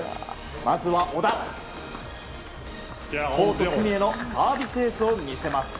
まずは小田、コース隅へのサービスエースを見せます。